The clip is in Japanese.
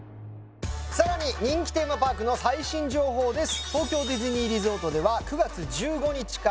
さらに人気テーマパークの最新情報です